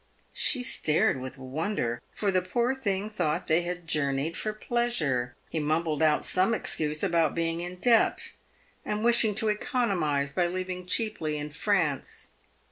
She stared with wonder, for the poor thing thought they had journeyed for pleasure. He mumbled out some excuse about being in debt, and wishing to economise by living cheaply in France.